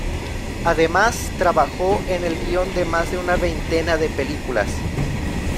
Además, trabajó en el guion de más de una veintena de películas.